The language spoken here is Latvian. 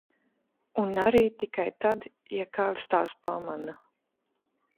Un arī tikai tad, ja kāds tās pamana.